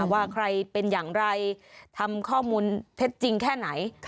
ว่าใครเป็นอย่างไรทำข้อมูลเท็จจริงแค่ไหน